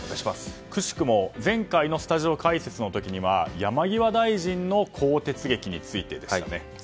くしくも前回のスタジオ解説の時には山際大臣の更迭劇についてでしたね。